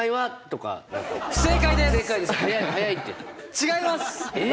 違います！